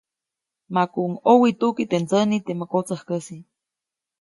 Makuʼuŋ ʼowituki teʼ ndsäniʼ temä kotsäjkäsi.